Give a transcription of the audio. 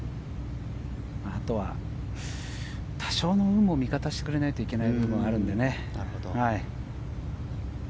あとは多少の運も味方してくれないといけないのがあるんで。